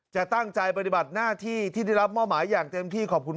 จะตั้งใจปฏิบัติหน้าที่ที่ได้รับมอบหมายอย่างเต็มที่ขอบคุณ